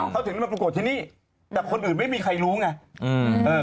เขาถึงได้มาปรากฏที่นี่แต่คนอื่นไม่มีใครรู้ไง